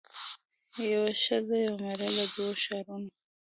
یوه ښځه یو مېړه له دوو ښارونو